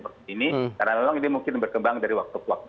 karena memang ini mungkin berkembang dari waktu ke waktu